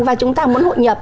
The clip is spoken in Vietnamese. và chúng ta muốn hội nhập